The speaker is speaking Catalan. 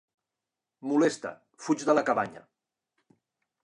Molesta, fuig de la cabanya.